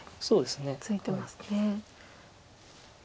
そうですね。